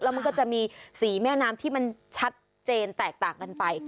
มันก็จะมีสีแม่น้ำที่มันชัดเจนแตกต่างกันไป